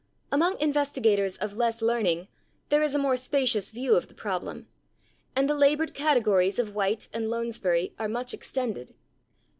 Among investigators of less learning there is a more spacious view of the problem, and the labored categories of White and Lounsbury are much extended.